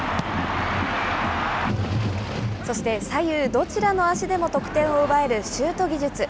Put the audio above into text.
そして、左右どちらの足でも得点を奪えるシュート技術。